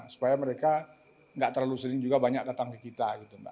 supaya mereka nggak terlalu sering juga banyak datang ke kita gitu mbak